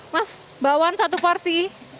mas bakwan satu porsi